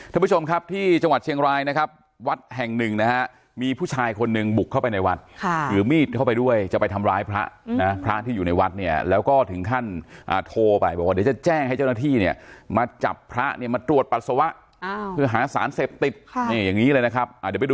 ท่านผู้ชมครับที่จังหวัดเชียงรายนะครับวัดแห่งหนึ่งนะฮะมีผู้ชายคนหนึ่งบุกเข้าไปในวัดค่ะถือมีดเข้าไปด้วยจะไปทำร้ายพระนะพระที่อยู่ในวัดเนี่ยแล้วก็ถึงขั้นโทรไปบอกว่าเดี๋ยวจะแจ้งให้เจ้าหน้าที่เนี่ยมาจับพระเนี่ยมาตรวจปัสสาวะเพื่อหาสารเสพติดค่ะนี่อย่างนี้เลยนะครับอ่าเดี๋ยวไปดู